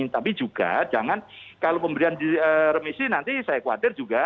tapi juga jangan kalau pemberian remisi nanti saya khawatir juga